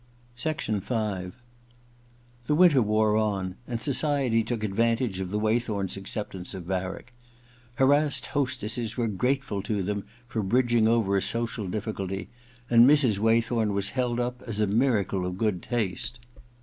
4 The winter wore on, and society took advan tage of the Waythorns' acceptance of Varick. Harassed hostesses were grateful to them for bridging over a social difficulty, and Mrs. Waythorn was held up as a miracle of good taste.